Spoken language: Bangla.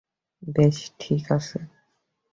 বেশ, ঠিক আছে।